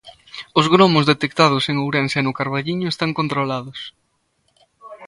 Os gromos detectados en Ourense e no Carballiño están controlados.